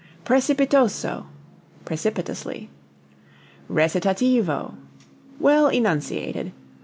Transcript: Precipitoso precipitously. Recitativo well enunciated.